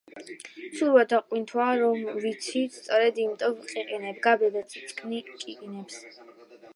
ცურვა და ყვინთვა რომ ვიცი, სწორედ იმიტომ ვყიყინებ, გაბედე, წყალში ჩამოდი, სულ დაგაწიწკნი კიკინებს!